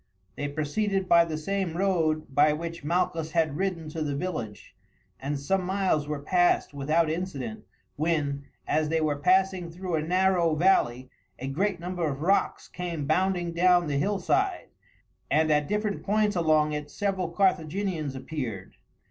They proceeded by the same road by which Malchus had ridden to the village, and some miles were passed without incident, when, as they were passing through a narrow valley, a great number of rocks came bounding down the hillside, and at different points along it several Carthaginians appeared.